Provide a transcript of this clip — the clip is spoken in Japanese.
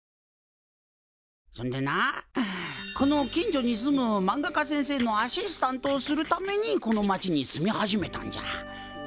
そんでなこの近所に住むまんが家先生のアシスタントをするためにこの町に住み始めたんじゃ。